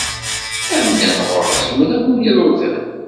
Amdan ɣer-s mraw n yiḍudan.